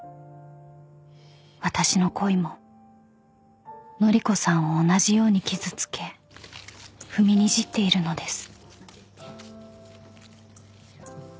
［私の恋も乃里子さんを同じように傷つけ踏みにじっているのです］